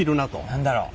何だろう。